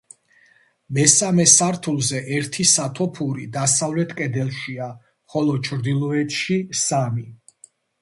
მესამე სართულზე ერთი სათოფური დასავლეთ კედელშია, ხოლო ჩრდილოეთში სამი.